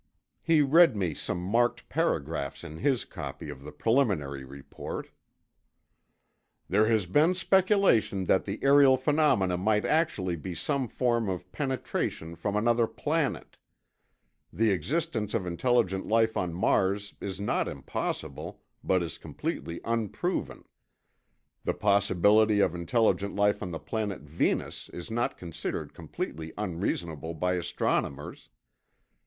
He read me some marked paragraphs in his copy of the preliminary report: "'There has been speculation that the aerial phenomena might actually be some form of penetration from another planet ... the existence of intelligent life on Mars is not impossible but is completely unproven ... the possibility of intelligent life on the Planet Venus is not considered completely unreasonable by astronomers